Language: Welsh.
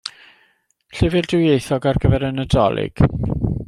Llyfr dwyieithog ar gyfer y Nadolig.